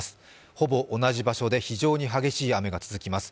ほぼ同じ場所で非常に激しい雨が続きます。